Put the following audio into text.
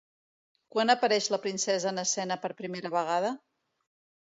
Quan apareix la princesa en escena per primera vegada?